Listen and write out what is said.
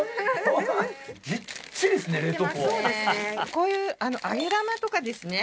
こういう揚げ玉とかですね